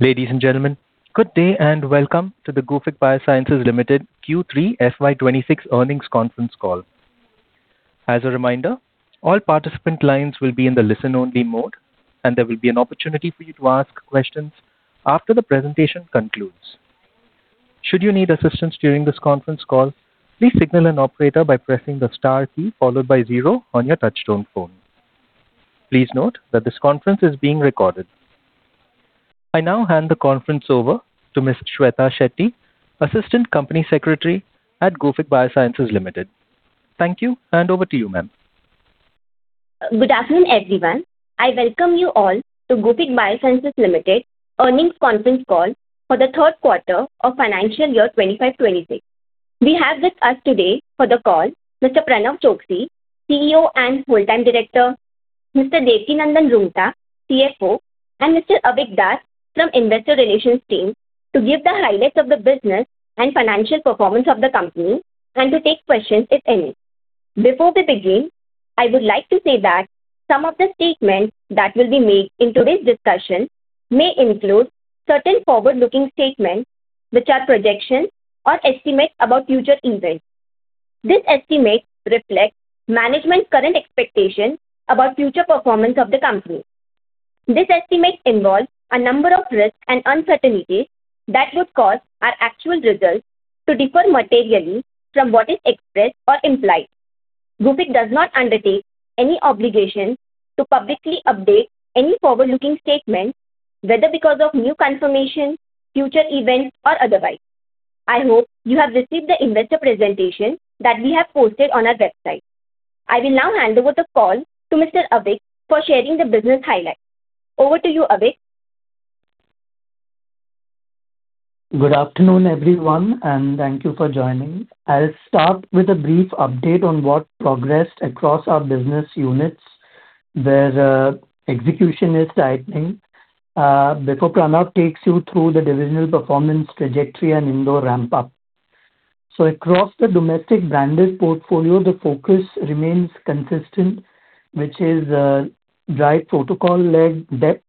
Ladies and gentlemen, good day, and welcome to the Gufic Biosciences Limited Q3 FY 2026 Earnings Conference Call. As a reminder, all participant lines will be in the listen-only mode, and there will be an opportunity for you to ask questions after the presentation concludes. Should you need assistance during this conference call, please signal an operator by pressing the star key followed by zero on your touchtone phone. Please note that this conference is being recorded. I now hand the conference over to Ms. Shweta Shetty, Assistant Company Secretary at Gufic Biosciences Limited. Thank you, and over to you, ma'am. Good afternoon, everyone. I welcome you all to Gufic Biosciences Limited Earnings Conference Call for the Q3 of Financial Year 2025-2026. We have with us today for the call Mr. Pranav Chokshi, CEO and Whole Time Director, Mr. Devkinandan Roongta, CFO, and Mr. Avik Das from Investor Relations team, to give the highlights of the business and financial performance of the company and to take questions, if any. Before we begin, I would like to say that some of the statements that will be made in today's discussion may include certain forward-looking statements, which are projections or estimates about future events. These estimates reflect management's current expectations about future performance of the company. These estimates involve a number of risks and uncertainties that would cause our actual results to differ materially from what is expressed or implied. Gufic does not undertake any obligation to publicly update any forward-looking statement, whether because of new confirmation, future events, or otherwise. I hope you have received the investor presentation that we have posted on our website. I will now hand over the call to Mr. Avik for sharing the business highlights. Over to you, Avik. Good afternoon, everyone, and thank you for joining. I'll start with a brief update on what progressed across our business units, where execution is tightening, before Pranav takes you through the divisional performance trajectory and Indore ramp-up. So across the domestic branded portfolio, the focus remains consistent, which is, drive protocol lead depth,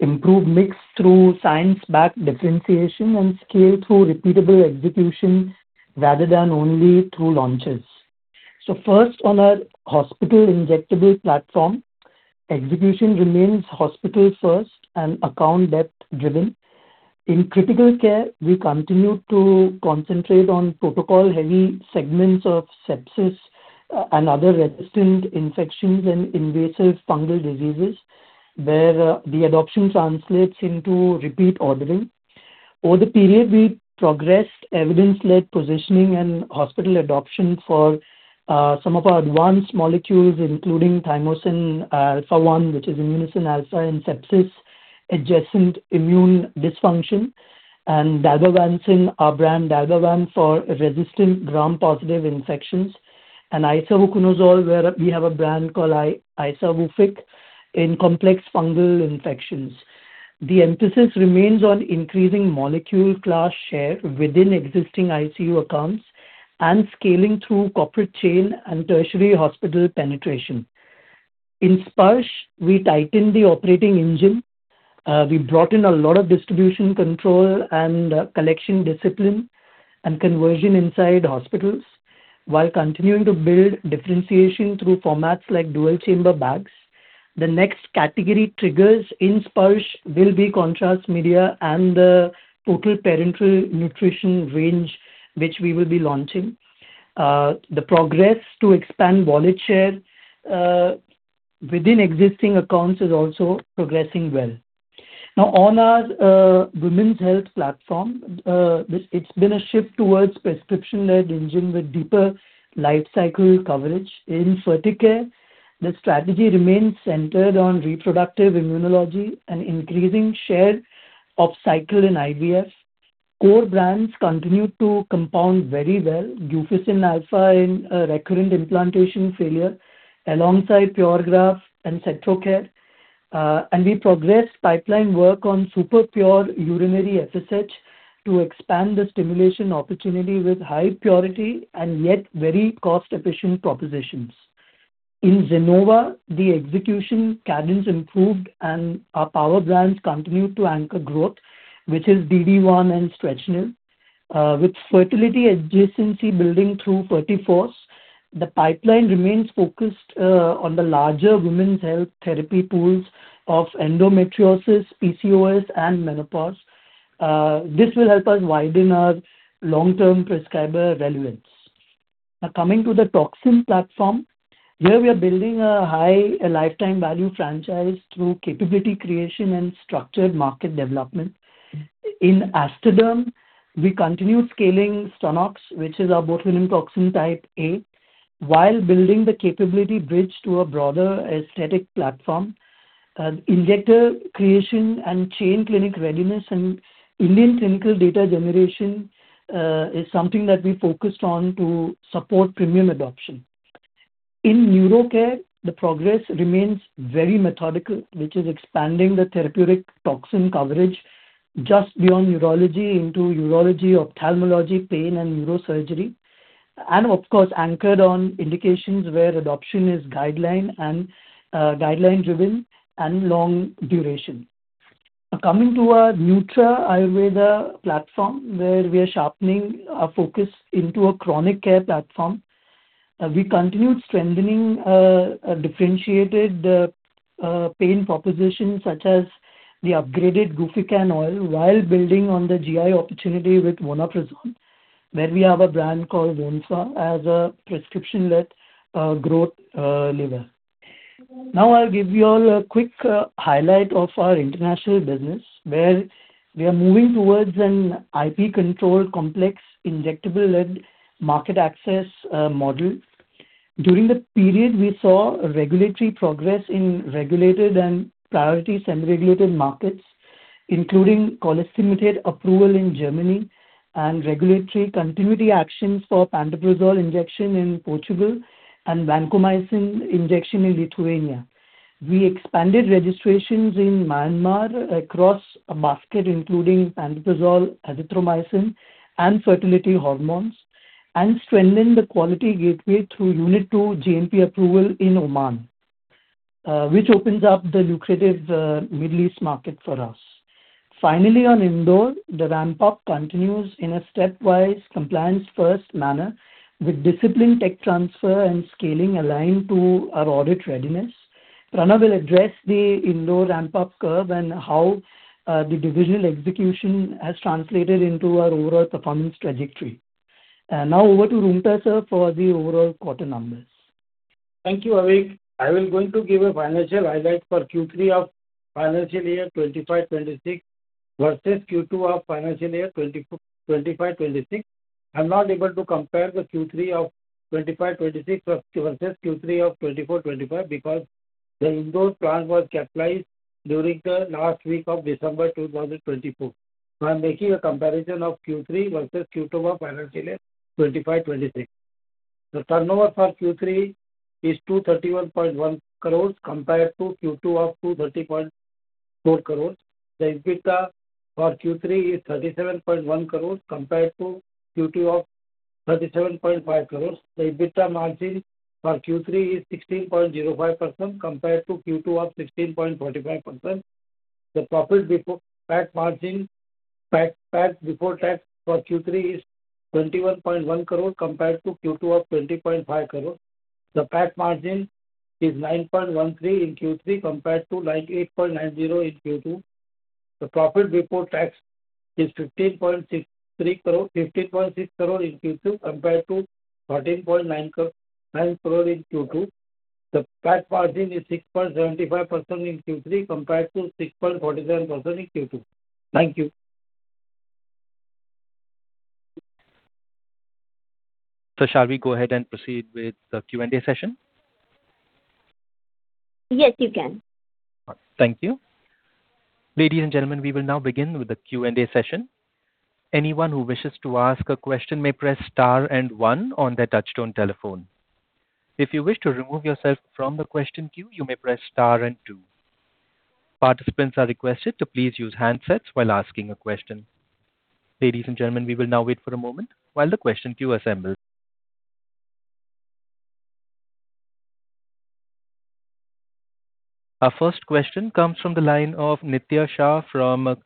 improve mix through science-backed differentiation, and scale through repeatable execution rather than only through launches. So first, on our hospital injectable platform, execution remains hospital-first and account-depth driven. In critical care, we continue to concentrate on protocol-heavy segments of sepsis, and other resistant infections and invasive fungal diseases, where the adoption translates into repeat ordering. Over the period, we progressed evidence-led positioning and hospital adoption for some of our advanced molecules, including thymosin alpha one, which is Immunocin Alpha in sepsis, adjacent immune dysfunction, and dalbavancin, our brand Dalbavan for resistant gram-positive infections, and isavuconazole, where we have a brand called Isavufic, in complex fungal infections. The emphasis remains on increasing molecule class share within existing ICU accounts and scaling through corporate chain and tertiary hospital penetration. In Sparsh, we tightened the operating engine. We brought in a lot of distribution control and collection discipline and conversion inside hospitals while continuing to build differentiation through formats like dual-chamber bags. The next category triggers in Sparsh will be contrast media and the total parenteral nutrition range, which we will be launching. The progress to expand wallet share within existing accounts is also progressing well. Now, on our women's health platform, it's been a shift towards prescription-led engine with deeper life cycle coverage. In Ferticare, the strategy remains centered on reproductive immunology and increasing share of cycle and IVF. Core brands continue to compound very well. Guficin Alpha in recurrent implantation failure, alongside Puregraf and Centrocare. And we progressed pipeline work on super pure urinary FSH to expand the stimulation opportunity with high purity and yet very cost-efficient propositions. In Zenova, the execution cadence improved, and our power brands continued to anchor growth, which is Dydroboon and StretchNil. With fertility adjacency building through Ferliforce, the pipeline remains focused on the larger women's health therapy pools of endometriosis, PCOS, and menopause. This will help us widen our long-term prescriber relevance. Now, coming to the toxin platform, where we are building a high lifetime value franchise through capability creation and structured market development. In Aestoderm, we continue scaling Stonox, which is our botulinum toxin type A, while building the capability bridge to a broader aesthetic platform. Injector creation and chain clinic readiness and Indian clinical data generation is something that we focused on to support premium adoption. In neurocare, the progress remains very methodical, which is expanding the therapeutic toxin coverage just beyond neurology into urology, ophthalmology, pain, and neurosurgery. Of course, anchored on indications where adoption is guideline and guideline-driven and long duration. Now coming to our Nutra Ayurveda platform, where we are sharpening our focus into a chronic care platform. We continued strengthening a differentiated pain proposition, such as the upgraded Guficann oil or Gufic Sallaki oil, while building on the GI opportunity with Vonoprazan, where we have a brand called Vonsa as a prescription-led growth lever. Now I'll give you all a quick highlight of our international business, where we are moving towards an IP-controlled, complex, injectable-led market access model. During the period, we saw regulatory progress in regulated and priority semi-regulated markets, including cholestyramine approval in Germany and regulatory continuity actions for pantoprazole injection in Portugal and vancomycin injection in Lithuania. We expanded registrations in Myanmar across a basket including pantoprazole, azithromycin, and fertility hormones, and strengthened the quality gateway through Unit II GMP approval in Oman, which opens up the lucrative Middle East market for us. Finally, on Indore, the ramp-up continues in a stepwise compliance-first manner, with disciplined tech transfer and scaling aligned to our audit readiness. Pranav will address the Indore ramp-up curve and how the divisional execution has translated into our overall performance trajectory. Now over to Roonghta, sir, for the overall quarter numbers. Thank you, Avik. I will going to give a financial highlight for Q3 of financial year 2025-26, versus Q2 of financial year 2024... 2025-26. I'm not able to compare the Q3 of 2025-26 versus Q3 of 2024-25, because the Indore plant was capitalized during the last week of December 2024. I'm making a comparison of Q3 versus Q2 of financial year 2025-26. The turnover for Q3 is 231.1 crores, compared to Q2 of 230.4 crores. The EBITDA for Q3 is 37.1 crores, compared to Q2 of 37.5 crores. The EBITDA margin for Q3 is 16.05%, compared to Q2 of 16.45%. The profit before- PAT margin, PAT, PAT before tax for Q3 is 21.1 crore, compared to Q2 of 20.5 crore. The PAT margin is 9.13 in Q3, compared to 9.89 in Q2. The profit before tax is 15.63 crore, 15.6 crore in Q2, compared to 13.99 crore in Q2. The PAT margin is 6.75% in Q3, compared to 6.47% in Q2. Thank you. Shall we go ahead and proceed with the Q&A session? Yes, you can. Thank you. Ladies and gentlemen, we will now begin with the Q&A session. Anyone who wishes to ask a question may press star and one on their touchtone telephone. If you wish to remove yourself from the question queue, you may press star and two. Participants are requested to please use handsets while asking a question. Ladies and gentlemen, we will now wait for a moment while the question queue assembles. Our first question comes from the line of Nitya Shah from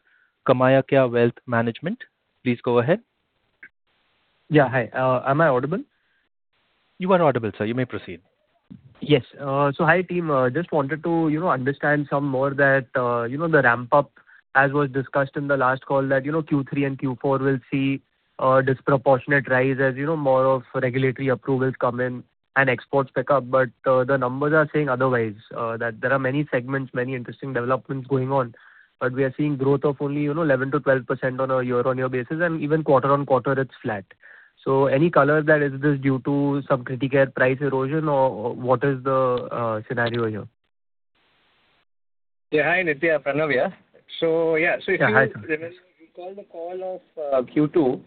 KamayaKya Wealth Management. Please go ahead. Yeah. Hi. Am I audible? You are audible, sir. You may proceed. Yes. So hi, team. Just wanted to, you know, understand some more that, you know, the ramp-up as was discussed in the last call, that, you know, Q3 and Q4 will see a disproportionate rise as, you know, more of regulatory approvals come in and exports pick up. But, the numbers are saying otherwise. That there are many segments, many interesting developments going on, but we are seeing growth of only, you know, 11%-12% on a year-over-year basis, and even quarter-over-quarter, it's flat. So any color, that is this due to some critical price erosion or what is the scenario here? Yeah, hi, Nitya. Pranav here. So yeah- Yeah, hi. So if you remember, you recall the call of Q2,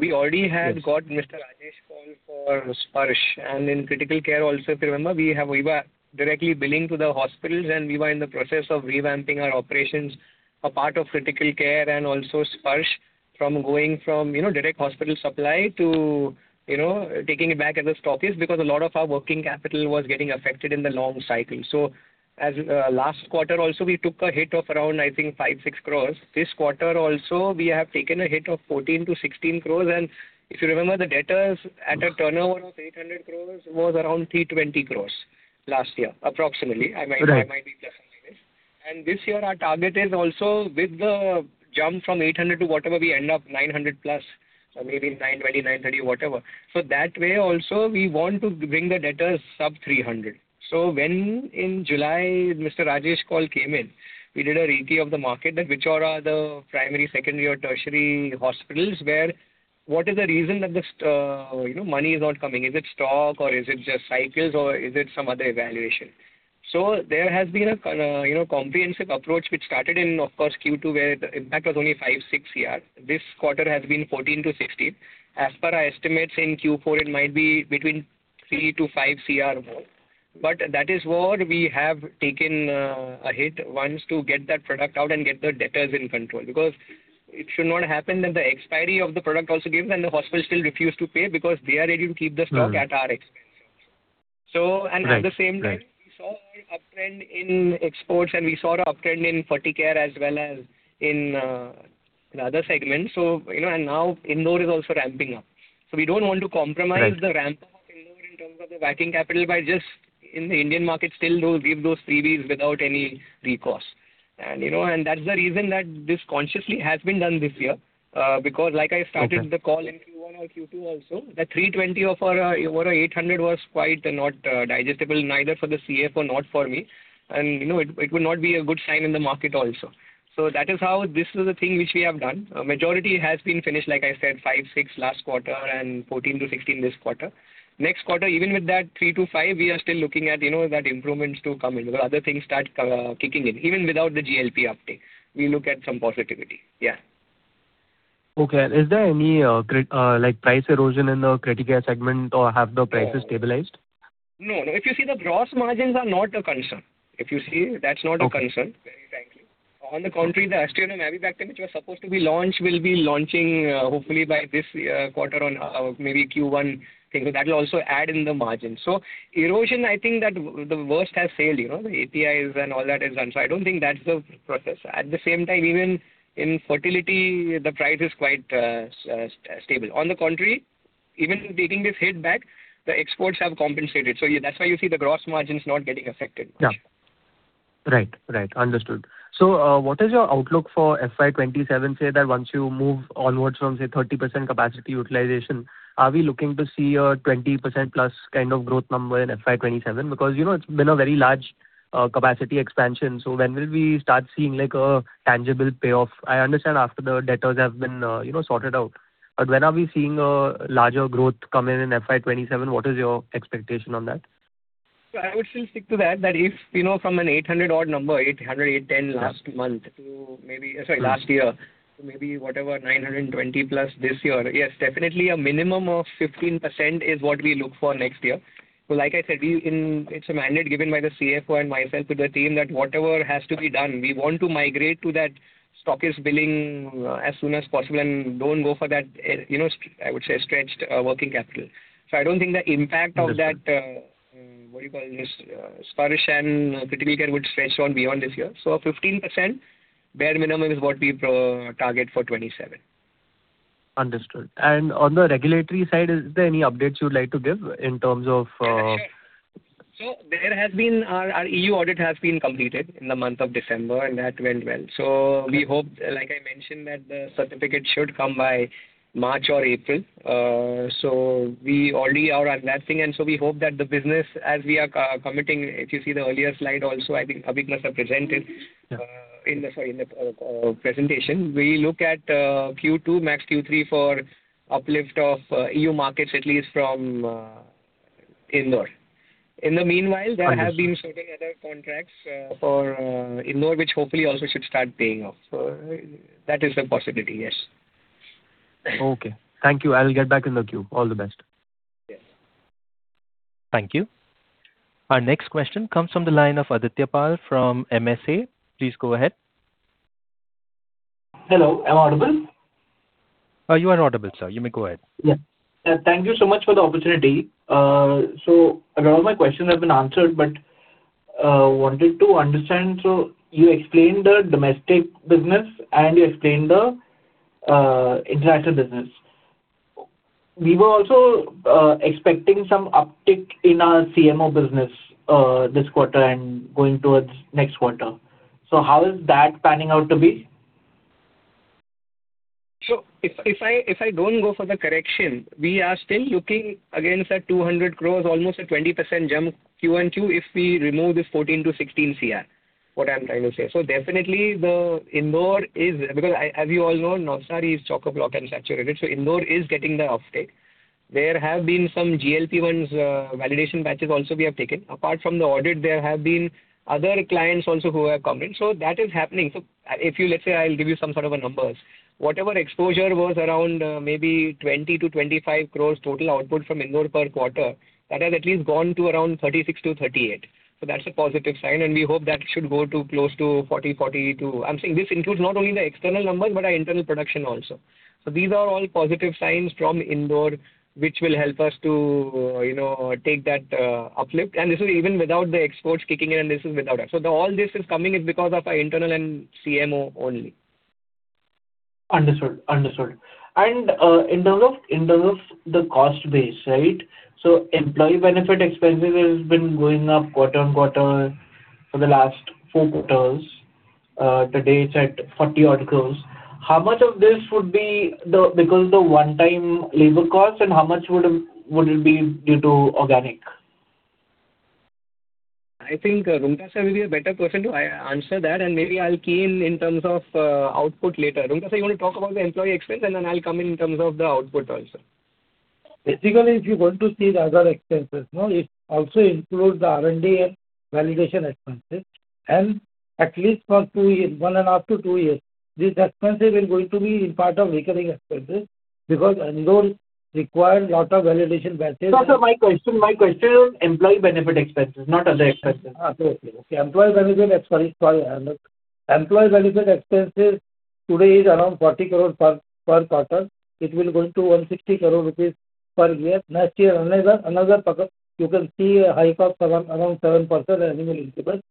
we already had- Yes. Got Mr. Rajesh call for Sparsh. And in critical care also, if you remember, we have, we were directly billing to the hospitals, and we were in the process of revamping our operations, a part of critical care and also Sparsh from going from, you know, direct hospital supply to, you know, taking it back as a stockist. Because a lot of our working capital was getting affected in the long cycle. So as last quarter also, we took a hit of around, I think, 5-6 crore. This quarter also, we have taken a hit of 14-16 crore. And if you remember, the debtors at a turnover of 800 crore was around 320 crore last year, approximately. Right. I might, I might be ±. And this year, our target is also with the jump from 800 to whatever we end up, 900+, or maybe 920, 930, whatever. So that way also, we want to bring the debtors sub 300 crore. So when in July, Mr. Rajesh Kaul came in, we did a review of the market, that which are the primary, secondary, or tertiary hospitals, where what is the reason that this, you know, money is not coming? Is it stock or is it just cycles or is it some other evaluation? So there has been a comprehensive approach, which started in, of course, Q2, where the impact was only 5-6 crore. This quarter has been 14-16 crore. As per our estimates, in Q4, it might be between 3-5 crore more. But that is what we have taken, a hit, once to get that product out and get the debtors in control. Because it should not happen that the expiry of the product also gives, and the hospital still refuse to pay because they are ready to keep the stock at our expense. So, and at the same time- Right, right. We saw an uptrend in exports, and we saw an uptrend in Ferticare as well as in the other segments. So, you know, and now Indore is also ramping up. So we don't want to compromise- Right. The ramp up of Indore in terms of the working capital by just in the Indian market, still do give those freebies without any recourse. And, you know, and that's the reason that this consciously has been done this year. Because like I started the call in Q1 or Q2 also, the 320 of our over 800 was quite not digestible, neither for the CFO or not for me. And, you know, it, it would not be a good sign in the market also. So that is how this is the thing which we have done. A majority has been finished, like I said, 5-6 last quarter and 14-16 this quarter. Next quarter, even with that 3-5, we are still looking at, you know, that improvements to come in. Because other things start kicking in, even without the GLP uptake, we look at some positivity. Yeah. Okay. And is there any, like, price erosion in the Criticare segment, or have the prices stabilized? No, no. If you see, the gross margins are not a concern. If you see, that's not a concern- Okay. Very frankly. On the contrary, the Aztreonam Avibactam, which was supposed to be launched, will be launching hopefully by this quarter on, maybe Q1. That will also add in the margin. So erosion, I think that the worst has sailed, you know, the APIs and all that is done. So I don't think that's the process. At the same time, even in fertility, the price is quite stable. On the contrary, even taking this hit back, the exports have compensated. So that's why you see the gross margins not getting affected much. Yeah. Right. Right. Understood. So, what is your outlook for FY 2027? Say that once you move onwards from, say, 30% capacity utilization, are we looking to see a 20%+ kind of growth number in FY 2027? Because, you know, it's been a very large capacity expansion. So when will we start seeing, like, a tangible payoff? I understand after the debtors have been, you know, sorted out, but when are we seeing a larger growth come in in FY 2027? What is your expectation on that? So I would still stick to that, that if, you know, from an 800-odd number, 800, 810 last month to maybe... Sorry, last year, to maybe whatever, 920+ this year. Yes, definitely a minimum of 15% is what we look for next year. So like I said, we— It's a mandate given by the CFO and myself to the team, that whatever has to be done, we want to migrate to that stockist billing as soon as possible, and don't go for that, you know, I would say, stretched working capital. So I don't think the impact of that, what do you call this, Sparsh and Criticare would stretch on beyond this year. So 15% bare minimum is what we target for 2027. Understood. On the regulatory side, is there any updates you'd like to give in terms of? Sure. So there has been... Our EU audit has been completed in the month of December, and that went well. So we hope, like I mentioned, that the certificate should come by March or April. So we already are advancing, and so we hope that the business, as we are co-committing, if you see the earlier slide also, I think Avik must have presented- Yeah. Sorry, in the presentation. We look at Q2, max Q3 for uplift of EU markets, at least from Indore. In the meanwhile- Understood. There have been certain other contracts for Indore, which hopefully also should start paying off. So that is a possibility, yes. Okay. Thank you. I'll get back in the queue. All the best. Yes. Thank you. Our next question comes from the line of Aditya Pal from Amsec. Please go ahead. Hello, am I audible? You are audible, sir. You may go ahead. Yeah. Thank you so much for the opportunity. So a lot of my questions have been answered, but wanted to understand. So you explained the domestic business, and you explained the international business. We were also expecting some uptick in our CMO business this quarter and going towards next quarter. So how is that panning out to be? So if I don't go for the correction, we are still looking against that 200 crore, almost a 20% jump, Q1 and Q2, if we remove this 14-16 crore, what I'm trying to say. So definitely the Indore is... Because I, as you all know, Navsari is chock-a-block and saturated, so Indore is getting the uptake. There have been some GLP-1's validation batches also we have taken. Apart from the audit, there have been other clients also who have come in. So that is happening. So if you, let's say, I'll give you some sort of a numbers. Whatever exposure was around, maybe 20-25 crore total output from Indore per quarter, that has at least gone to around 36-38. So that's a positive sign, and we hope that should go to close to 40-42. I'm saying this includes not only the external numbers, but our internal production also. So these are all positive signs from Indore, which will help us to, you know, take that uplift. And this is even without the exports kicking in, and this is without that. So the all this is coming in because of our internal and CMO only. Understood. Understood. And, in terms of, in terms of the cost base, right? So employee benefit expenses has been going up quarter-over-quarter for the last four quarters. Today, it's at 40-odd crore. How much of this would be the, because the one-time labor cost, and how much would, would it be due to organic? I think Roonghta sir will be a better person to answer that, and maybe I'll key in, in terms of output later. Roonghta sir, you want to talk about the employee expense, and then I'll come in in terms of the output also. Basically, if you want to see the other expenses, no, it also includes the R&D and validation expenses, and at least for 2 years, 1.5-2 years, this expense is going to be in part of recurring expenses, because Indore required lot of validation batches. No, sir, my question, my question is on employee benefit expenses, not other expenses. Okay. Employee benefit expenses, sorry. Employee benefit expenses today is around 40 crore per quarter. It will go to 160 crore rupees per year. Next year, another quarter, you can see a hike of around 7% annual increment.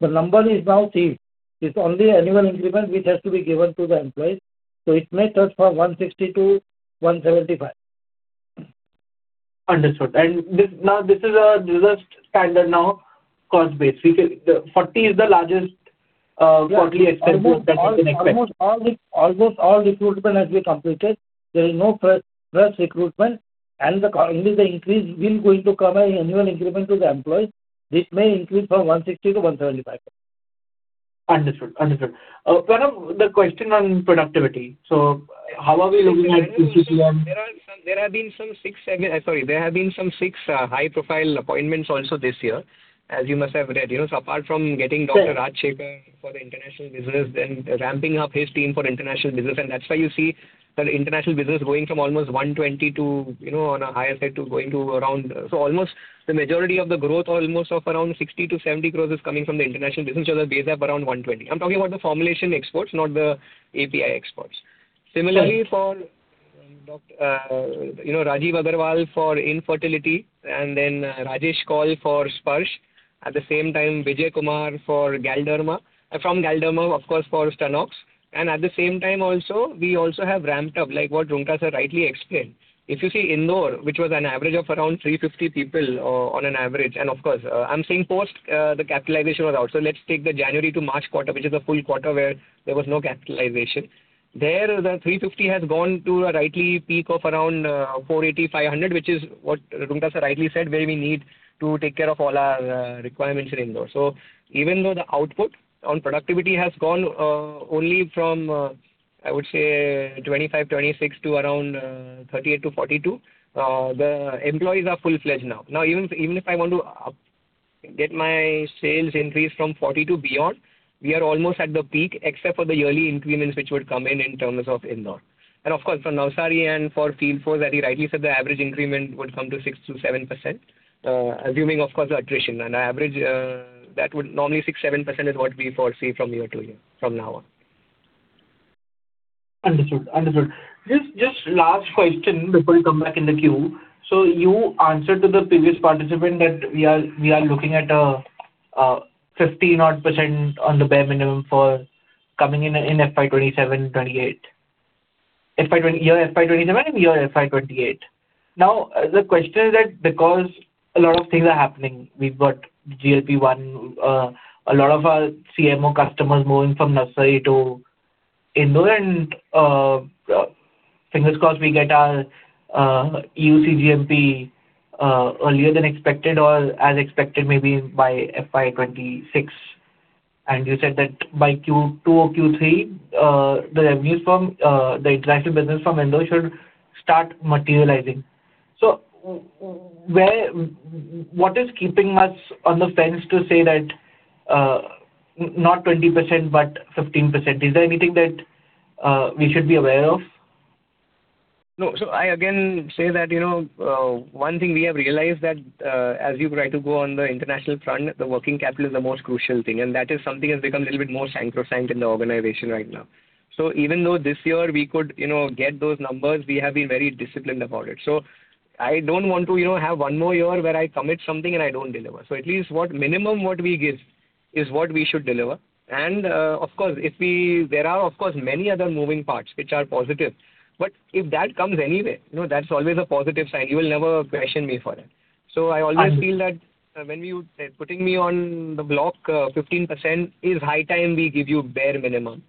The number is now sealed. It's only annual increment which has to be given to the employees, so it may touch from 160 to 175. Understood. This is a standard cost base now. 40 is the largest quarterly expense that we can expect. Almost all recruitment has been completed. There is no fresh recruitment, and the increase will going to cover annual increment to the employees. This may increase from 160 to 175. Understood. Understood. Pranav, the question on productivity. So how are we looking at HCM? There have been some 6 or 7 high-profile appointments also this year, as you must have read. You know, so apart from getting Dr. Raj Shekhar- Sure. For the international business, then ramping up his team for international business, and that's why you see the international business going from almost 120 crores to, you know, on a higher side, to going to around. So almost the majority of the growth, almost of around 60-70 crores, is coming from the international business, which are the base up around 120 crores. I'm talking about the formulation exports, not the API exports. Sure. Similarly, for Dr., you know, Rajiv Agarwal for infertility, and then Rajesh Kaul for Sparsh. At the same time, Vijay Kumar for Galderma. From Galderma, of course, for Stonox. And at the same time also, we also have ramped up, like what Roonghta sir rightly explained. If you see Indore, which was an average of around 350 people, on an average, and of course, I'm saying post the capitalization was out. So let's take the January to March quarter, which is a full quarter, where there was no capitalization. There, the 350 has gone to a rightly peak of around 480, 500, which is what Roonghta sir rightly said, where we need to take care of all our requirements in Indore. So even though the output on productivity has gone only from, I would say 25-26, to around 38-42, the employees are full-fledged now. Now, even, even if I want to up-get my sales increase from 40 to beyond, we are almost at the peak, except for the yearly increments, which would come in, in terms of Indore. And of course, for Navsari and for field force, as he rightly said, the average increment would come to 6%-7%, assuming of course the attrition. And our average, that would normally 6-7% is what we foresee from year to year, from now on. Understood. Understood. Just, just last question before you come back in the queue. So you answered to the previous participant that we are, we are looking at a 50-odd% on the bare minimum for coming in, in FY 2027, 2028. Year FY 2027 and year FY 2028. Now, the question is that because a lot of things are happening, we've got GLP-1, a lot of our CMO customers moving from Navsari to Indore, and fingers crossed, we get our EU cGMP earlier than expected or as expected, maybe by FY 2026. And you said that by Q2 or Q3, the revenues from the international business from Indore should start materializing. So where, what is keeping us on the fence to say that not 20%, but 15%? Is there anything that we should be aware of? No. So I again say that, you know, one thing we have realized that, as we try to go on the international front, the working capital is the most crucial thing, and that is something has become a little bit more sanctified in the organization right now. So even though this year we could, you know, get those numbers, we have been very disciplined about it. So I don't want to, you know, have one more year where I commit something, and I don't deliver. So at least what minimum what we give is what we should deliver. And, of course, if we—there are, of course, many other moving parts which are positive, but if that comes anyway, you know, that's always a positive sign. You will never question me for that. So I always- I- feel that when you said putting me on the block, 15% is high time we give you bare minimum.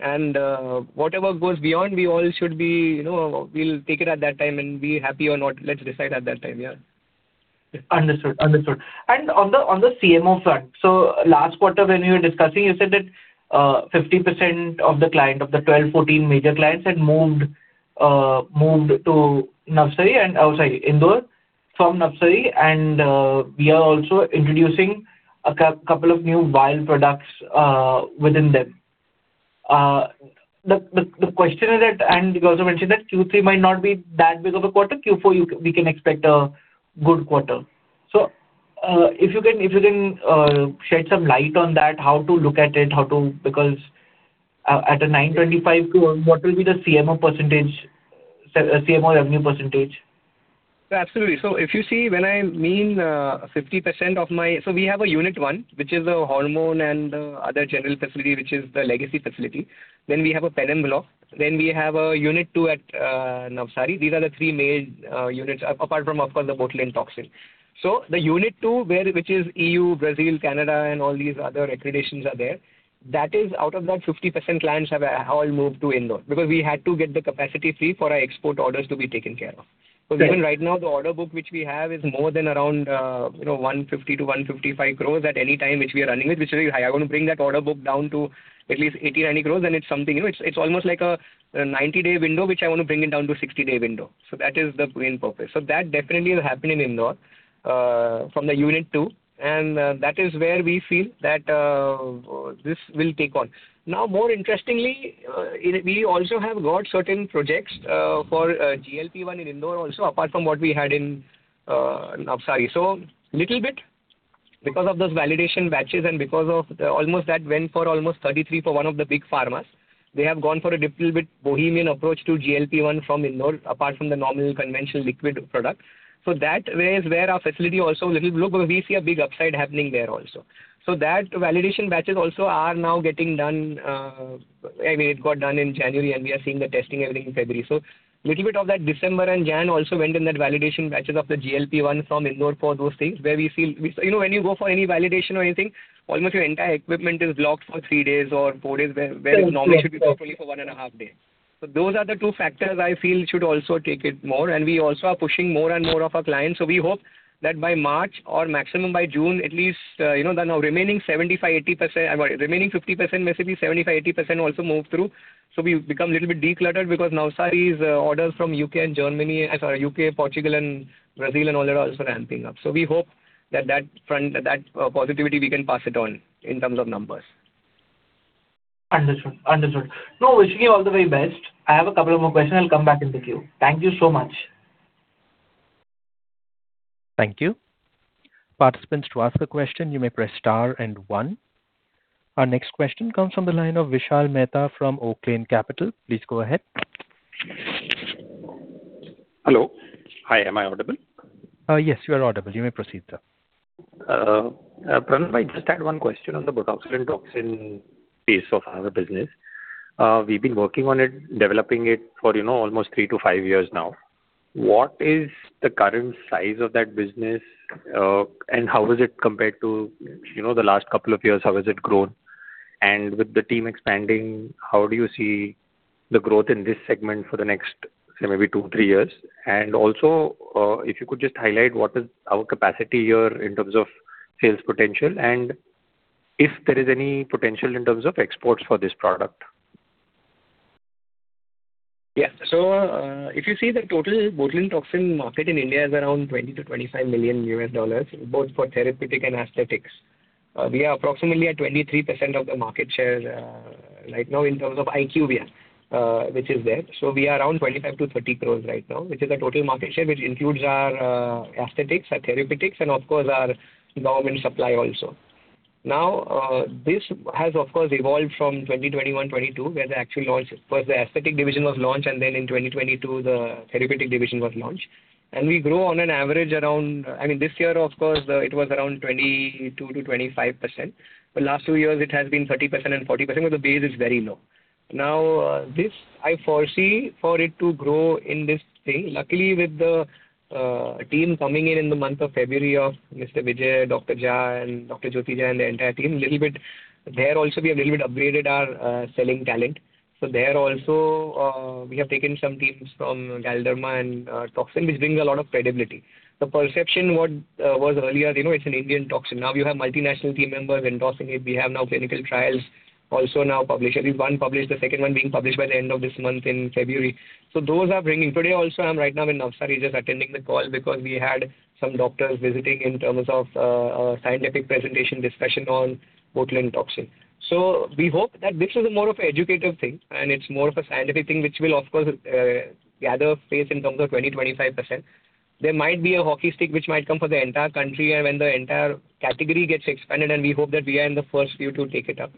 Whatever goes beyond, we all should be, you know, we'll take it at that time and be happy or not, let's decide at that time. Yeah. Understood. Understood. And on the CMO front, so last quarter when you were discussing, you said that 50% of the clients, of the 12-14 major clients, had moved to Indore from Navsari, and we are also introducing a couple of new vial products within them. The question is that, and you also mentioned that Q3 might not be that big of a quarter. Q4, we can expect a good quarter. So, if you can shed some light on that, how to look at it, how to because at a 9.25% growth, what will be the CMO percentage, CMO revenue percentage? Absolutely. So if you see, when I mean, 50% of my— So we have a Unit 1, which is a hormone and other general facility, which is the legacy facility. Then we have a pen and block. Then we have a Unit 2 at Navsari. These are the 3 main units, apart from, of course, the botulinum toxin. So the Unit 2, which is EU, Brazil, Canada, and all these other accreditations are there, that is out of that 50% clients have all moved to Indore. Because we had to get the capacity fee for our export orders to be taken care of. Sure. So even right now, the order book which we have is more than around, you know, 150-155 crores at any time, which we are running with, which is high. I want to bring that order book down to at least 80-90 crores, and it's something, you know, it's, it's almost like a, a 90-day window, which I want to bring it down to 60-day window. So that is the main purpose. So that definitely will happen in Indore, from the unit two, and, that is where we feel that, this will take off. Now, more interestingly, we also have got certain projects, for, GLP-1 in Indore also, apart from what we had in, Navsari. Because of those validation batches and because of almost that went for almost 33 for one of the big pharmas, they have gone for a little bit bohemian approach to GLP-1 from Indore, apart from the normal conventional liquid product. So that is where our facility also little look, we see a big upside happening there also. So that validation batches also are now getting done, I mean, it got done in January, and we are seeing the testing everything in February. So little bit of that December and January also went in that validation batches of the GLP-1 from Indore for those things where we feel. You know, when you go for any validation or anything, almost your entire equipment is locked for 3 days or 4 days, where normally it should be properly for 1.5 days. So those are the two factors I feel should also take it more, and we also are pushing more and more of our clients. So we hope that by March or maximum by June, at least, you know, the now remaining 75%-80%... remaining 50%, maybe 75%-80% also move through. So we become a little bit decluttered because now Sari's orders from UK and Germany, sorry, UK, Portugal and Brazil and all that are also ramping up. So we hope that, that front, that, that positivity, we can pass it on in terms of numbers. Understood. Understood. No, wishing you all the very best. I have a couple of more questions. I'll come back in the queue. Thank you so much. Thank you. Participants, to ask a question, you may press star and One. Our next question comes from the line of Vishal Mehta from Oaklane Capital. Please go ahead. Hello. Hi, am I audible? Yes, you are audible. You may proceed, sir. Pranav, I just had one question on the Botox and toxin piece of our business. We've been working on it, developing it for, you know, almost 3-5 years now. What is the current size of that business, and how is it compared to, you know, the last couple of years? How has it grown? And with the team expanding, how do you see the growth in this segment for the next, say, maybe 2-3 years? And also, if you could just highlight what is our capacity here in terms of sales potential, and if there is any potential in terms of exports for this product. Yeah. So, if you see the total botulinum toxin market in India is around $20-$25 million, both for therapeutic and Aesthetics. We are approximately at 23% of the market share, right now in terms of IQVIA, which is there. We are around 25-30 crore right now, which is a total market share, which includes our Aesthetics, our therapeutics, and of course, our government supply also. Now, this has, of course, evolved from 2021, 2022, where the actual launch, first the aesthetic division was launched, and then in 2022, the therapeutic division was launched. We grow on an average around .I mean, this year, of course, it was around 22%-25%. The last two years, it has been 30% and 40%, but the base is very low. Now, this I foresee for it to grow in this thing. Luckily, with the, team coming in in the month of February of Mr. Vijay, Dr. Jay and Dr. Jyoti Jay and the entire team, little bit, there also, we have a little bit upgraded our, selling talent. So there also, we have taken some teams from Galderma and, Toxin, which brings a lot of credibility. The perception what, was earlier, you know, it's an Indian toxin. Now you have multinational team members endorsing it. We have now clinical trials also now published. At least one published, the second one being published by the end of this month in February. So those are bringing. Today also, I'm right now in Navsari, just attending the call because we had some doctors visiting in terms of, a scientific presentation discussion on botulinum toxin. So we hope that this is more of an educative thing, and it's more of a scientific thing, which will, of course, gather pace in terms of 20%-25%. There might be a hockey stick, which might come for the entire country and when the entire category gets expanded, and we hope that we are in the first few to take it up.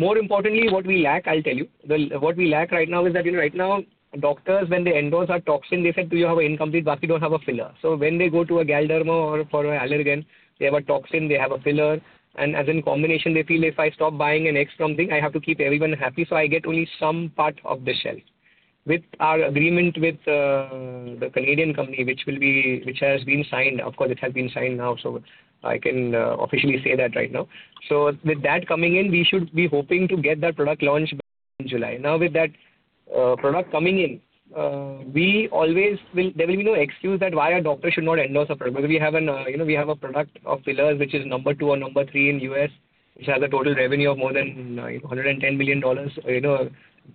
More importantly, what we lack, I'll tell you. What we lack right now is that, you know, right now, doctors, when they endorse our toxin, they say to you, "You have an incomplete basket, you don't have a filler." So when they go to a Galderma or for Allergan, they have a toxin, they have a filler, and as in combination, they feel if I stop buying an X from thing, I have to keep everyone happy, so I get only some part of the shell. With our agreement with the Canadian company, which has been signed, of course, it has been signed now, so I can officially say that right now. So with that coming in, we should be hoping to get that product launched in July. Now, with that product coming in, there will be no excuse that why a doctor should not endorse our product. Because we have an, you know, we have a product of fillers, which is number two or number three in U.S., which has a total revenue of more than $110 million. You know,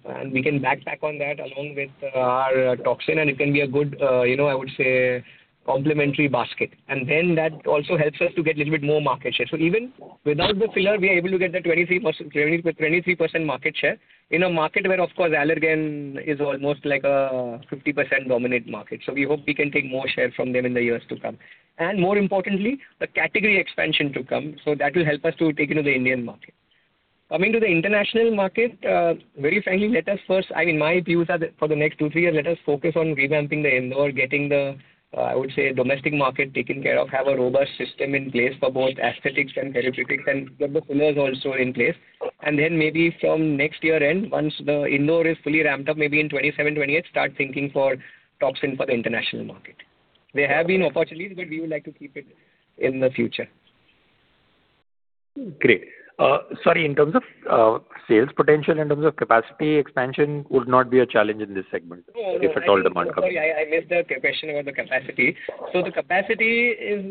and we can backpack on that along with our toxin, and it can be a good, you know, I would say, complimentary basket. And then that also helps us to get a little bit more market share. So even without the filler, we are able to get the 23%, 23% market share in a market where, of course, Allergan is almost like a 50% dominant market. So we hope we can take more share from them in the years to come. And more importantly, the category expansion to come, so that will help us to take into the Indian market. Coming to the international market, very frankly, let us first... I mean, my views are that for the next 2-3 years, let us focus on revamping the Indore, getting the, I would say, domestic market taken care of, have a robust system in place for both Aesthetics and therapeutics, and get the fillers also in place. And then maybe from next year end, once the Indore is fully ramped up, maybe in 2027, 2028, start thinking for toxin for the international market. There have been opportunities, but we would like to keep it in the future. Great. Sorry, in terms of sales potential, in terms of capacity expansion, would not be a challenge in this segment if at all demand comes in? I missed the question about the capacity. So the capacity is,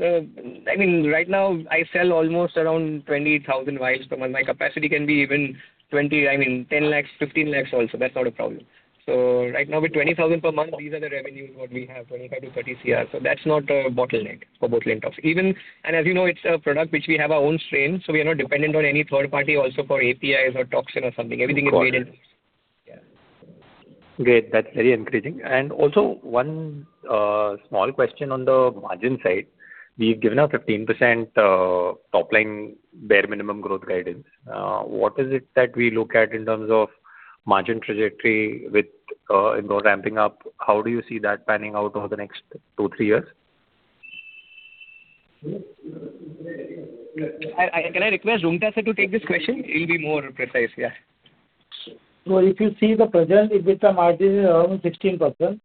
I mean, right now, I sell almost around 20,000 vials per month. My capacity can be even 20, I mean, 10 lakhs, 15 lakhs also, that's not a problem. So right now, with 20,000 per month, these are the revenue what we have, 25 crore-30 crore. So that's not a bottleneck for botulinum toxin. Even. And as you know, it's a product which we have our own strain, so we are not dependent on any third party also for APIs or toxin or something. Everything is made in-house. Great, that's very encouraging. And also one small question on the margin side. We've given a 15% top line, bare minimum growth guidance. What is it that we look at in terms of margin trajectory with Indore ramping up? How do you see that panning out over the next two, three years? Can I request Roonghta sir to take this question? He'll be more precise. Yeah. If you see the present, EBITDA margin is around 16%.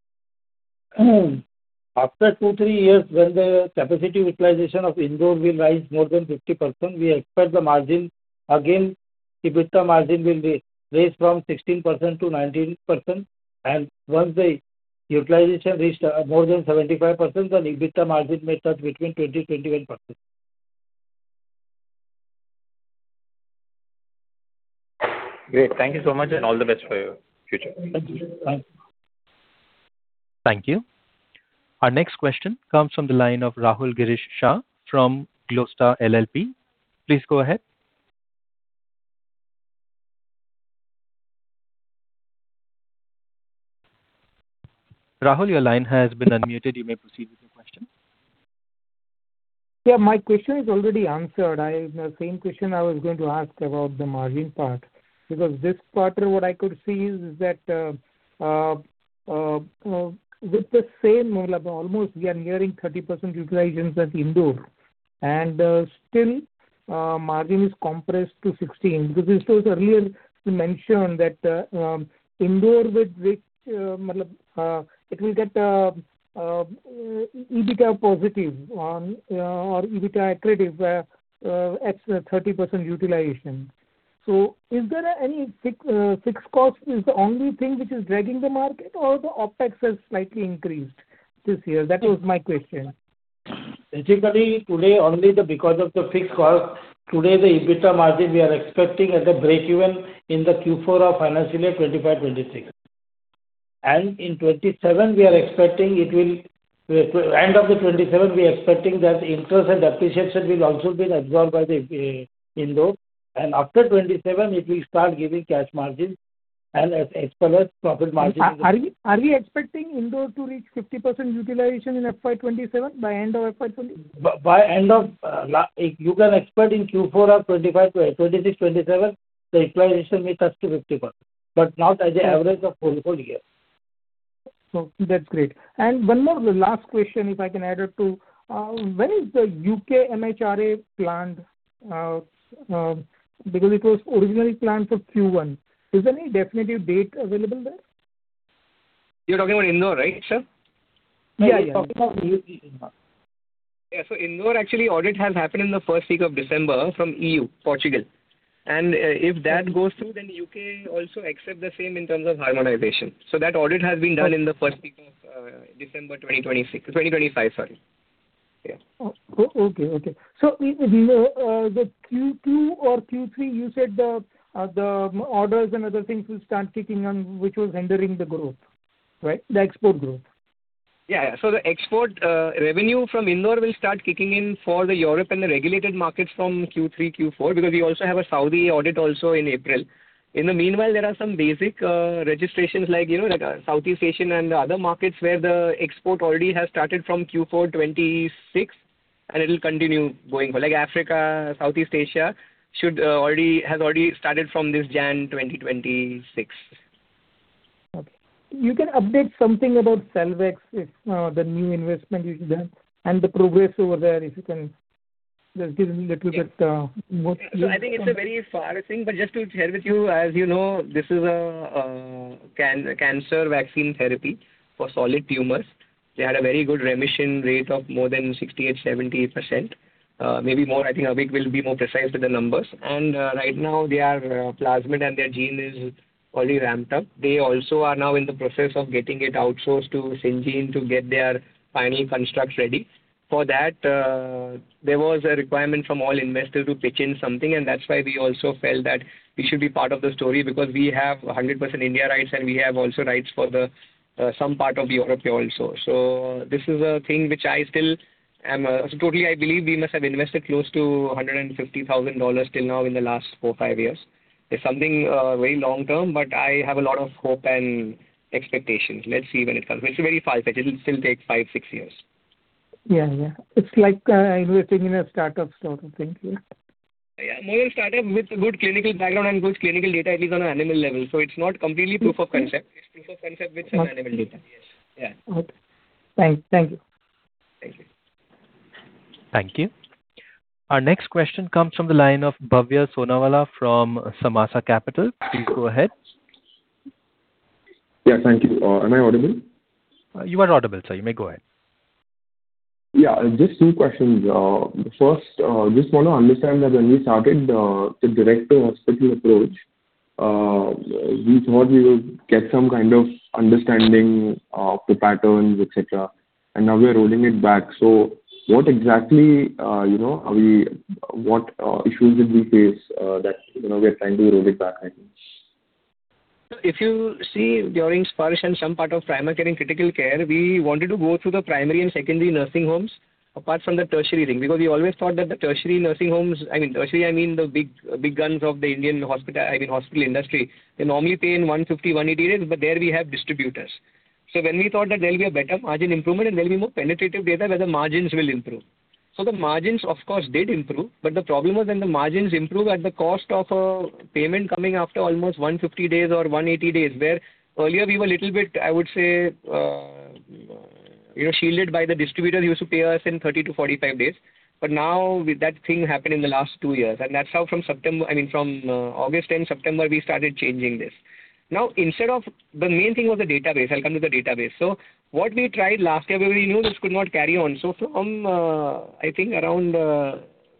After 2-3 years, when the capacity utilization of Indore will rise more than 50%, we expect the margin again, EBITDA margin will be raised from 16% to 19%, and once the utilization reached more than 75%, then the EBITDA margin may touch between 20-21%. Great. Thank you so much, and all the best for your future. Thank you. Bye. Thank you. Our next question comes from the line of Rahul Girish Shah from Glowstar LLP. Please go ahead. Rahul, your line has been unmuted. You may proceed with your question. Yeah, my question is already answered. I, the same question I was going to ask about the margin part, because this quarter, what I could see is that, with the same model, almost we are nearing 30% utilization at Indore, and, still, margin is compressed to 16%. Because it was earlier you mentioned that, Indore, with which, it will get, EBITDA positive on, or EBITDA accretive, at 30% utilization. So is there any fixed cost is the only thing which is dragging the market, or the OpEx has slightly increased this year? That was my question. Basically, today, only because of the fixed cost, today, the EBITDA margin we are expecting at the break even in the Q4 of financial year 2025-26. In 2027, we are expecting it will end of the 2027, we are expecting that interest and depreciation will also been absorbed by the Indore. After 2027, it will start giving cash margins and as well as profit margins- Are we expecting Indore to reach 50% utilization in FY 2027, by end of FY 2020? By end of, you can expect in Q4 of 2025 to 2026, 2027, the utilization may touch to 50%, but not as an average of full year. So that's great. And one more, the last question, if I can add it to, when is the UK MHRA planned? Because it was originally planned for Q1. Is there any definitive date available there? You're talking about Indore, right, sir? Yeah, yeah. Talking about Indore. Yeah, so Indore, actually, audit has happened in the first week of December from E.U., Portugal. And, if that goes through, then U.K. also accept the same in terms of harmonization. So that audit has been done in the first week of December 2026... 2025, sorry. Yeah. Oh, okay, okay. So, the Q2 or Q3, you said the, the orders and other things will start kicking in, which was hindering the growth, right? The export growth. Yeah, yeah. So the export revenue from Indore will start kicking in for the Europe and the regulated markets from Q3, Q4, because we also have a Saudi audit also in April. In the meanwhile, there are some basic registrations, like, you know, like, Southeast Asian and other markets where the export already has started from Q4 2026, and it will continue going for like Africa, Southeast Asia, should already has already started from this January 2026. Okay. You can update something about Selvax, if the new investment is done and the progress over there, if you can just give a little bit more clear- So I think it's a very far thing, but just to share with you, as you know, this is a cancer vaccine therapy for solid tumors. They had a very good remission rate of more than 68%-70%, maybe more. I think Avik will be more precise with the numbers. And right now, their plasmid and their gene is already ramped up. They also are now in the process of getting it outsourced to Syngene to get their final constructs ready. For that, there was a requirement from all investors to pitch in something, and that's why we also felt that we should be part of the story, because we have 100% India rights, and we have also rights for the some part of Europe also. So this is a thing which I still am, so totally I believe we must have invested close to $150,000 till now in the last 4-5 years. It's something, very long term, but I have a lot of hope and expectations. Let's see when it comes. It's very far-fetched. It'll still take 5-6 years. Yeah, yeah. It's like, investing in a startup sort of thing. Yeah. Yeah, more a startup with good clinical background and good clinical data, at least on an animal level. So it's not completely proof of concept. It's proof of concept with some animal data. Yes. Yeah. Okay. Thank you. Thank you. Thank you. Our next question comes from the line of Bhavya Sonawala from Samaasa Capital. Please go ahead. Yeah, thank you. Am I audible? You are audible, sir. You may go ahead. Yeah, just two questions. First, just want to understand that when we started the direct to hospital approach, we thought we would get some kind of understanding of the patterns, et cetera, and now we are rolling it back. So what exactly, you know, issues did we face that, you know, we are trying to roll it back, I think? If you see, during Sparsh and some part of primary care and critical care, we wanted to go through the primary and secondary nursing homes, apart from the tertiary thing, because we always thought that the tertiary nursing homes, I mean, tertiary, I mean, the big, big guns of the Indian hospital industry, they normally pay in 150, 180 days, but there we have distributors. So when we thought that there will be a better margin improvement and there will be more penetrative data where the margins will improve. So the margins, of course, did improve, but the problem was when the margins improve at the cost of a payment coming after almost 150 days or 180 days, where earlier we were little bit, I would say, you know, shielded by the distributor who used to pay us in 30-45 days. But now with that thing happened in the last two years, and that's how from September, I mean, from August and September, we started changing this. Now, instead of the main thing was the database. I'll come to the database. So what we tried last year, we knew this could not carry on. So from, I think around,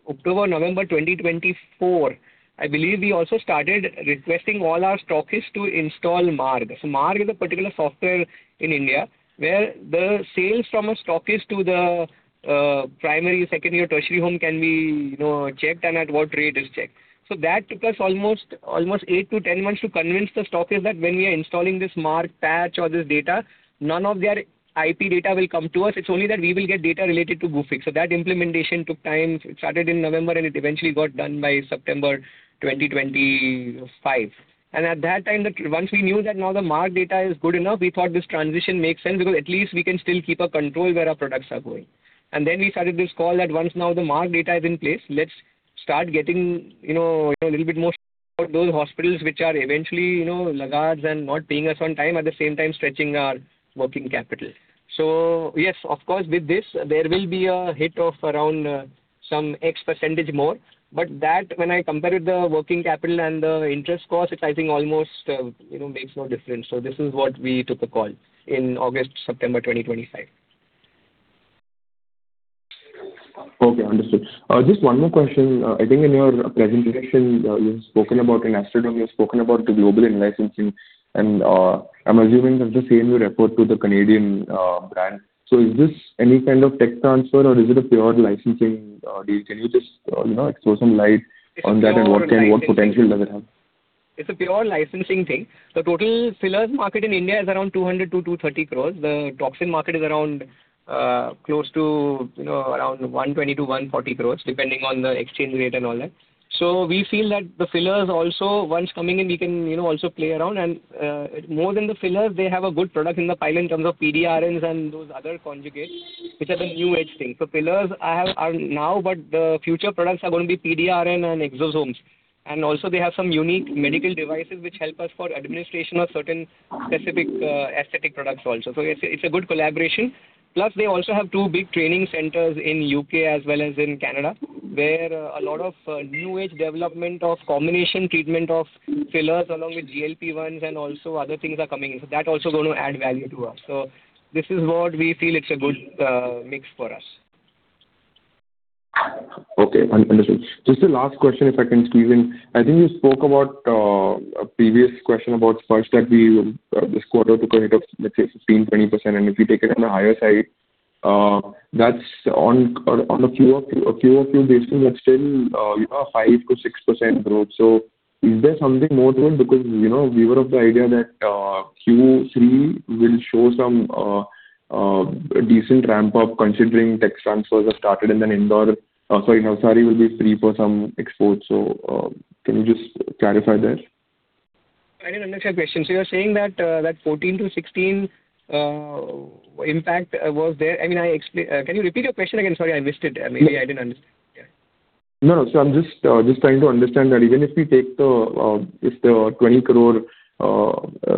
October or November 2024, I believe we also started requesting all our stockists to install Marg. So Marg is a particular software in India, where the sales from a stockist to the primary, secondary, or tertiary home can be, you know, checked and at what rate is checked. So that took us almost, almost 8-10 months to convince the stockist that when we are installing this Marg patch or this data, none of their IP data will come to us. It's only that we will get data related to Gufic. So that implementation took time. It started in November, and it eventually got done by September 2025. And at that time, once we knew that now the Marg data is good enough, we thought this transition makes sense because at least we can still keep a control where our products are going. Then we started this call that once now the Marg data is in place, let's start getting, you know, a little bit more for those hospitals, which are eventually, you know, laggards and not paying us on time, at the same time stretching our working capital. So yes, of course, with this, there will be a hit of around some X% more, but that when I compare it with the working capital and the interest cost, it's I think almost, you know, makes no difference. So this is what we took a call in August, September 2025. Okay, understood. Just one more question. I think in your presentation, you've spoken about in Aesthaderm, you've spoken about the global in-licensing, and I'm assuming that the same you refer to the Canadian brand. So is this any kind of tech transfer, or is it a pure licensing deal? Can you just you know, throw some light on that and what potential does it have? It's a pure licensing thing. The total fillers market in India is around 200-230 crores. The toxin market is around, close to, you know, around 120-140 crores, depending on the exchange rate and all that. So we feel that the fillers also, once coming in, we can, you know, also play around and, more than the fillers, they have a good product in the pipeline in terms of PDRNs and those other conjugates, which are the new age thing. So fillers I have are now, but the future products are going to be PDRN and exosomes. And also they have some unique medical devices which help us for administration of certain specific, aesthetic products also. So it's, it's a good collaboration. Plus, they also have two big training centers in U.K. as well as in Canada, where a lot of new age development of combination treatment of fillers along with GLP-1s and also other things are coming in. So that also going to add value to us. So this is what we feel it's a good mix for us. Okay, understood. Just a last question, if I can squeeze in. I think you spoke about a previous question about Sparsh that we this quarter took a hit of, let's say, 15%-20%, and if you take it on the higher side, that's on a Q-o-Q basis, that's still, you know, 5%-6% growth. So is there something more to it? Because, you know, we were of the idea that Q3 will show some decent ramp-up, considering tech transfers have started and then Indore, sorry, Navsari will be free for some exports. So can you just clarify that? I didn't understand the question. So you're saying that 14-16 impact was there? Can you repeat your question again? Sorry, I missed it. Maybe I didn't understand. Yeah. No, no, so I'm just trying to understand that even if we take the if the 20 crore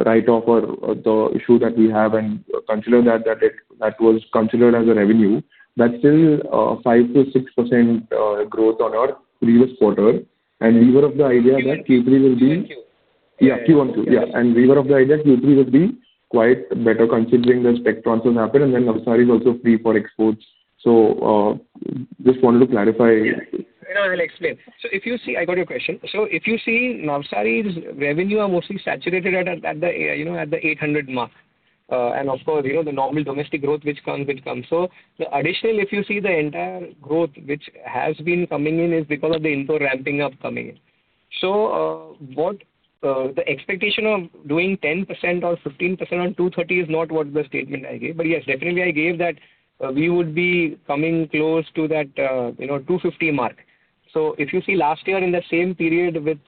write-off or the issue that we have and consider that that it that was considered as a revenue, that's still 5%-6% growth on our previous quarter. And we were of the idea that Q3 will be- Thank you. Yeah, and we were of the idea Q3 would be quite better considering the spec transfers happen, and then Navsari is also free for exports. So, just wanted to clarify. Yeah, I will explain. So if you see, I got your question. So if you see Navsari's revenue are mostly saturated at the, you know, at the 800 crores mark. And of course, you know, the normal domestic growth which comes, will come. So the additional, if you see the entire growth which has been coming in, is because of the Indore ramping up coming in. So, the expectation of doing 10% or 15% on 230 crores is not what the statement I gave. But yes, definitely I gave that, we would be coming close to that, you know, 250 crores mark. So if you see last year in the same period with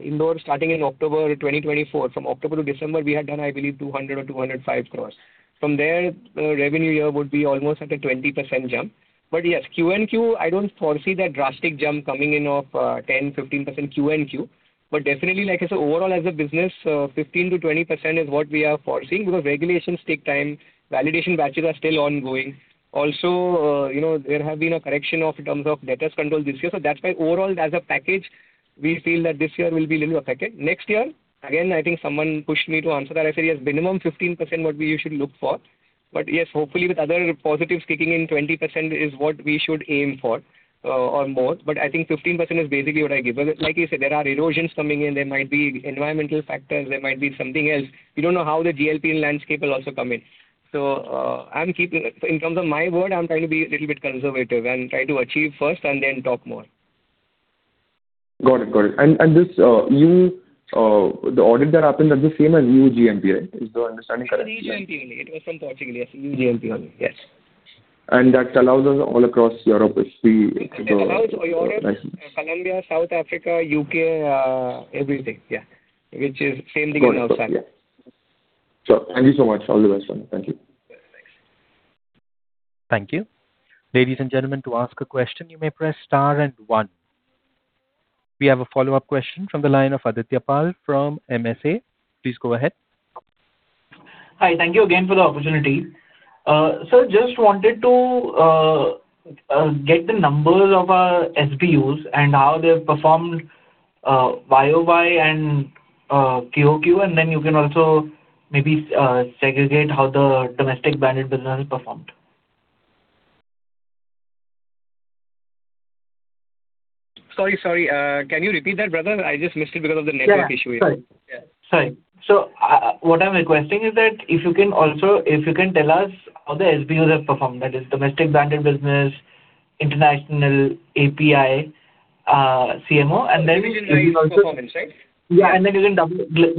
Indore starting in October 2024, from October to December, we had done, I believe, 200 crores or 205 crores. From there, revenue year would be almost at a 20% jump. But yes, QoQ, I don't foresee that drastic jump coming in of 10%-15% QoQ. But definitely, like I said, overall, as a business, 15%-20% is what we are foreseeing because regulations take time, validation batches are still ongoing. Also, you know, there have been a correction of in terms of debtors control this year. So that's why overall, as a package, we feel that this year will be a little affected. Next year, again, I think someone pushed me to answer that. I said, yes, minimum 15% what we usually look for. But yes, hopefully, with other positives kicking in, 20% is what we should aim for, or more. But I think 15% is basically what I give. Because like you said, there are erosions coming in, there might be environmental factors, there might be something else. We don't know how the GLP landscape will also come in. So, I'm keeping in terms of my word, I'm trying to be a little bit conservative and try to achieve first and then talk more.... Got it, got it. And, and this, the audit that happened, that's the same as EU GMP, right? Is my understanding correct? EU GMP only. It was from Portugal, yes, EU GMP only. Yes. That allows us all across Europe if we- It allows all Europe, Colombia, South Africa, U.K., everything, yeah. Which is same thing as outside. Got it. Yeah. So thank you so much. All the best, sir. Thank you. Thanks. Thank you. Ladies and gentlemen, to ask a question, you may press star and one. We have a follow-up question from the line of Aditya Pal from Amsec. Please go ahead. Hi. Thank you again for the opportunity. So just wanted to get the numbers of our SBUs and how they've performed YOY and QOQ, and then you can also maybe segregate how the domestic branded business performed. Sorry, sorry, can you repeat that, brother? I just missed it because of the network issue here. Yeah, sorry. Sorry. So, what I'm requesting is that if you can also... If you can tell us how the SBUs have performed, that is domestic branded business, international, API, CMO, and then we can also- Divisions performance, right? Yeah, and then you can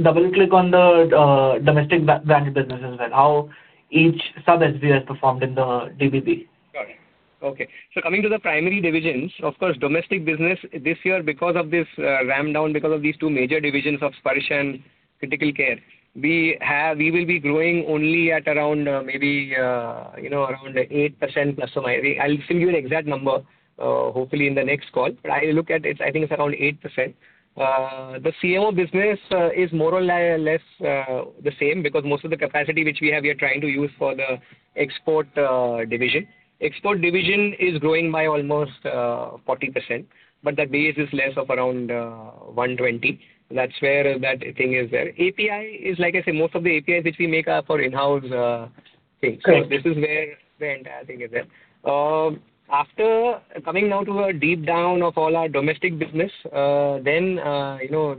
double-click on the domestic branded business as well, how each sub SBU has performed in the DBB. Got it. Okay. So coming to the primary divisions, of course, domestic business this year, because of this ramp down, because of these two major divisions of Sparsh and Critical Care, we have we will be growing only at around, maybe, you know, around 8% plus or minus. I'll send you an exact number, hopefully in the next call. But I look at it, I think it's around 8%. The CMO business is more or less the same, because most of the capacity which we have, we are trying to use for the export division. Export division is growing by almost 40%, but the base is less of around 120. That's where that thing is there. API is like I said, most of the API which we make are for in-house things. Correct. This is where the entire thing is there. After coming now to a deep down of all our domestic business, then, you know,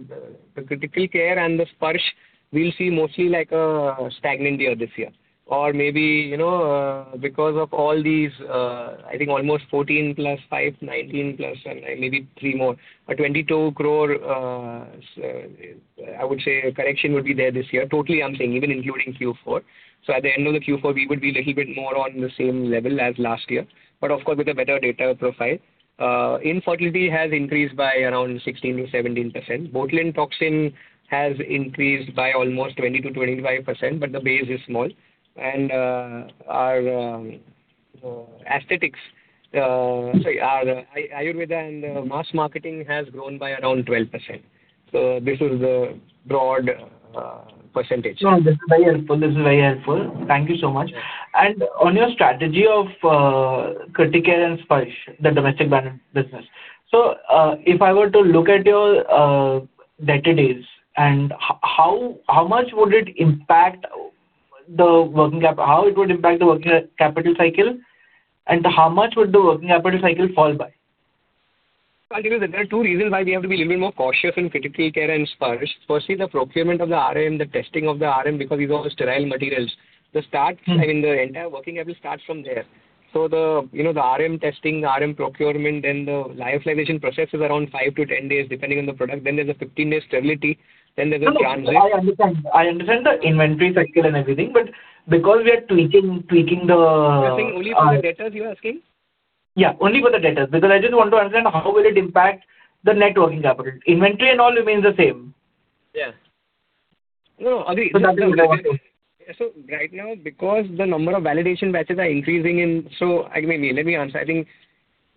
the Critical Care and the Sparsh, we'll see mostly like a stagnant year this year. Or maybe, you know, because of all these, I think almost 14 + 5, 19 +, and maybe 3 more, 22 crore, so I would say a correction would be there this year. Totally, I'm saying even including Q4. So at the end of the Q4, we would be little bit more on the same level as last year, but of course, with a better data profile. Infertility has increased by around 16%-17%. Botulinum toxin has increased by almost 20%-25%, but the base is small. Our Aesthetics, sorry, our Ayurveda and mass marketing has grown by around 12%. So this is the broad percentage. No, this is very helpful. This is very helpful. Thank you so much. And on your strategy of Critical Care and Sparsh, the domestic branded business. So, if I were to look at your debtor days, and how much would it impact the working capital? How it would impact the working capital cycle, and how much would the working capital cycle fall by? Well, there are two reasons why we have to be a little bit more cautious in Critical Care and Sparsh. Firstly, the procurement of the RM, the testing of the RM, because these are all sterile materials. The start- Mm-hmm. I mean, the entire working capital starts from there. So the, you know, the RM testing, the RM procurement, then the lyophilization process is around 5-10 days, depending on the product. Then there's a 15-day stability, then there's a transit. No, I understand. I understand the inventory cycle and everything, but because we are tweaking the, You're saying only for the debtors, you're asking? Yeah, only for the debtors, because I just want to understand how will it impact the net working capital. Inventory and all remains the same. Yes. No, agree. So that's what I want to know. Right now, because the number of validation batches are increasing in... So again, let me answer. I think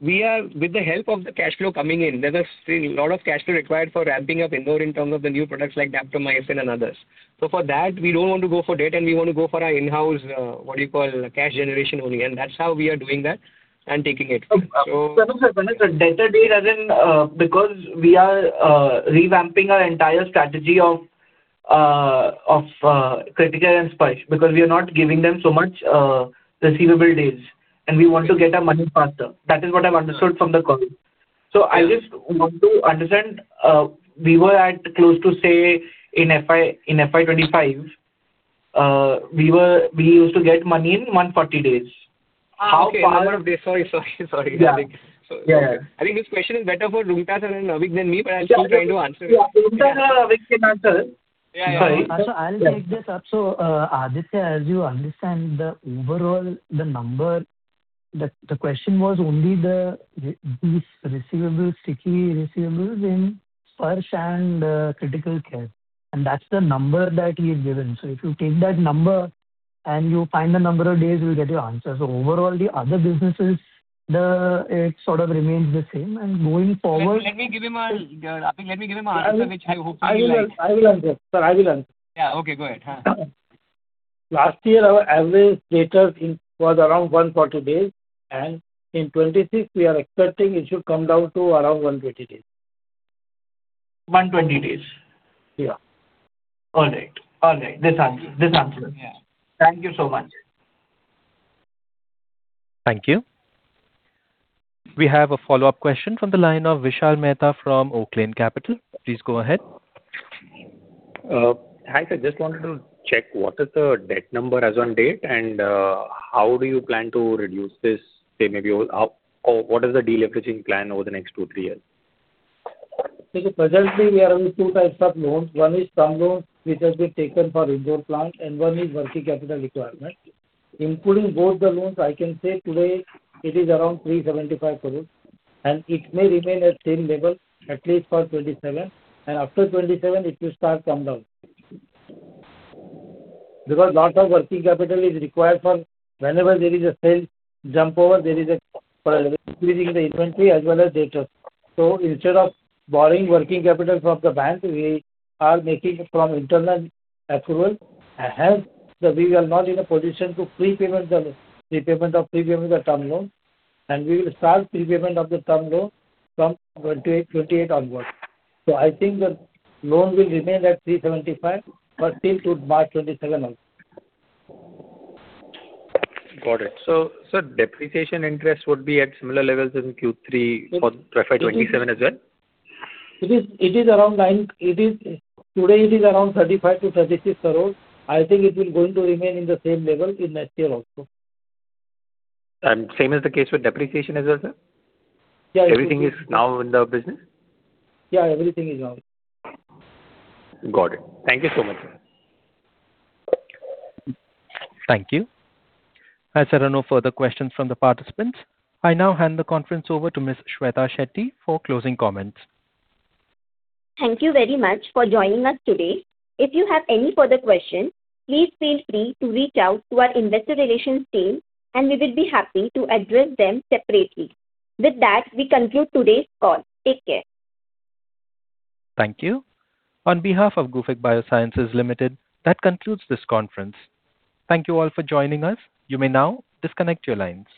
we are, with the help of the cash flow coming in, there is still a lot of cash flow required for ramping up Indore in terms of the new products like Daptomycin and others. So for that, we don't want to go for debt, and we want to go for our in-house, what do you call, cash generation only, and that's how we are doing that and taking it forward. So- No, no, sir, the debtor days as in, because we are revamping our entire strategy of Critical Care and Sparsh, because we are not giving them so much receivable days, and we want to get our money faster. That is what I've understood from the call. Yeah. I just want to understand, we were at close to, say, in FY 2025, we used to get money in 140 days. Ah, okay. How far- Sorry, sorry, sorry. Yeah. So- Yeah. I think this question is better for Roonghta and Avik than me, but I'm still trying to answer it. Yeah, Roonghta and Avik can answer. Yeah, yeah. So I'll take this up. So, Aditya, as you understand the overall number. The question was only these receivables, sticky receivables in Sparsh and Critical Care, and that's the number that we've given. So if you take that number and you find the number of days, you'll get your answer. So overall, the other businesses, it sort of remains the same. And going forward- Let me, let me give him a, I think let me give him an answer which I hope he will like. I will answer. Sir, I will answer. Yeah, okay, go ahead. Last year, our average debtors was around 140 days, and in 2026, we are expecting it should come down to around 120 days. 120 days? Yeah. All right. All right, this answers, this answers. Yeah. Thank you so much. Thank you. We have a follow-up question from the line of Vishal Mehta from Oaklane Capital. Please go ahead. Hi, sir, just wanted to check what is the debt number as on date, and how do you plan to reduce this? Say maybe how or what is the deleveraging plan over the next two, three years? So presently we are on two types of loans. One is term loans, which has been taken for Indore plant, and one is working capital requirement. Including both the loans, I can say today it is around 375 crore, and it may remain at same level, at least for 2027, and after 2027, it will start come down. Because lot of working capital is required for whenever there is a sales jump over, there is a increase in the inventory as well as debtors. So instead of borrowing working capital from the bank, we are making it from internal accrual, hence that we are not in a position to prepayment of the term loan, and we will start prepayment of the term loan from 2028 onwards. So I think the loan will remain at 375 crore, but till to March 2027 only. Got it. So, sir, depreciation interest would be at similar levels in Q3 for FY 2027 as well? It is, it is around 9 crore. Today it is around 35-36 crore. I think it will going to remain in the same level in next year also. Same is the case with depreciation as well, sir? Yeah. Everything is now in the business? Yeah, everything is now. Got it. Thank you so much, sir. Thank you. As there are no further questions from the participants, I now hand the conference over to Ms. Shweta Shetty for closing comments. Thank you very much for joining us today. If you have any further questions, please feel free to reach out to our investor relations team, and we will be happy to address them separately. With that, we conclude today's call. Take care. Thank you. On behalf of Gufic Biosciences Limited, that concludes this conference. Thank you all for joining us. You may now disconnect your lines.